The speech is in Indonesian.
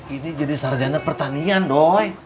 ini jadi sarjana pertanian doy